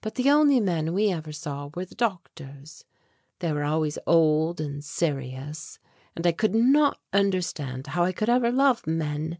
But the only men we ever saw were the doctors. They were always old and serious and I could not understand how I could ever love men.